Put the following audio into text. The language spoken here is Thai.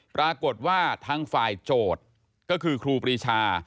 ปรากฏว่าทางฝ่ายโจทย์ก็คือครูปรีชา